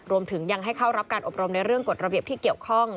รวมถึงยังให้เข้ารับการอบรมในเรื่องกฎระเบียบที่เกี่ยวข้อง